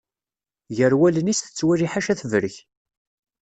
Ger wallen-is tettwali ḥala tebrek.